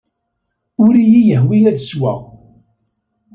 Ur iyi-yehwi ad d-ssewweɣ.